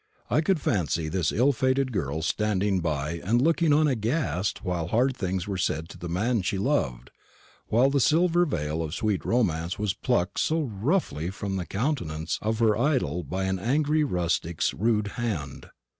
I could fancy this ill fated girl standing by and looking on aghast while hard things were said to the man she loved, while the silver veil of sweet romance was plucked so roughly from the countenance of her idol by an angry rustic's rude hand.